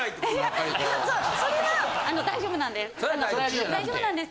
それは大丈夫なんです。